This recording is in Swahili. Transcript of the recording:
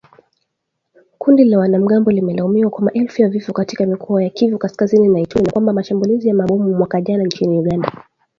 Kundi la wanamgambo limelaumiwa kwa maelfu ya vifo katika mikoa ya Kivu Kaskazini na Ituri, na kwa mashambulizi ya mabomu mwaka jana nchini Uganda